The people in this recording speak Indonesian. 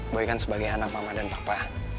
baik kan sebagai anak mama dan papa